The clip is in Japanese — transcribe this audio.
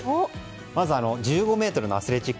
まず、１５ｍのアスレチック。